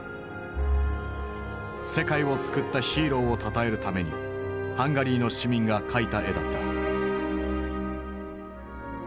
世界を救ったヒーローをたたえるためにハンガリーの市民が描いた絵だった。